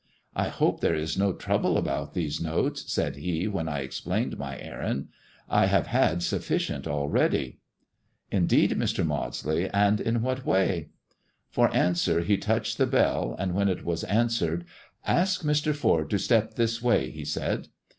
"I hope there is no trouble about these notes," said he, yi'hen I explained my errand. " I have had sufficient already." " Looking up the list of ." Indeed, Mr. Maiidsley, and in what way?" For answer he touched the bell, and when it was an swered, " Aek Mr. Foi d to step this way," he said.